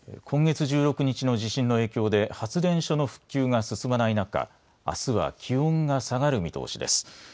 今月１６日の地震の影響で発電所の復旧が進まない中あすは気温が下がる見通しです。